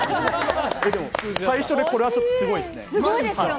でも最初でこれはちょっとすごいです。